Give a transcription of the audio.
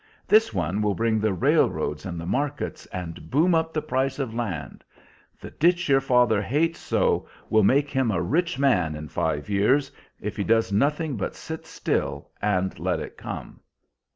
This one will bring the railroads and the markets, and boom up the price of land. The ditch your father hates so will make him a rich man in five years, if he does nothing but sit still and let it come.